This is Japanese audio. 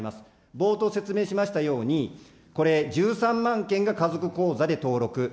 冒頭説明しましたように、これ、１３万件が家族口座で登録。